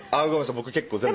僕結構全部。